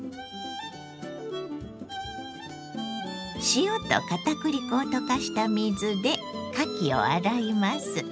塩と片栗粉を溶かした水でかきを洗います。